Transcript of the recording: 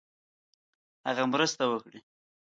هغه مرسته وکړي.